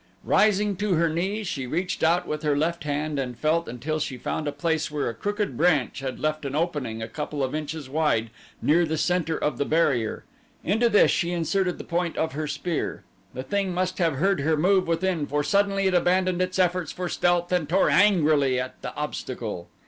Rising to her knees she reached out with her left hand and felt until she found a place where a crooked branch had left an opening a couple of inches wide near the center of the barrier. Into this she inserted the point of her spear. The thing must have heard her move within for suddenly it abandoned its efforts for stealth and tore angrily at the obstacle.